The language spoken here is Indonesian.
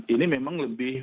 ini memang lebih